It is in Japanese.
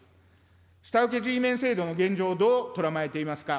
下請けＧメン制度の現状をどうとらまえていますか。